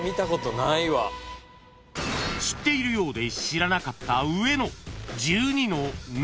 ［知っているようで知らなかった上野１２の謎］